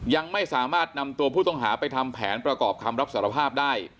ยังไม่สามารถนำตัวผู้ต้องหาไปทำแผนประกอบคำรับสารภาพได้